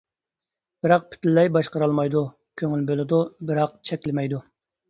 بىراق پۈتۈنلەي باشقۇرالمايدۇ، كۆڭۈل بولىدۇ بىراق چەكلىمەيدۇ.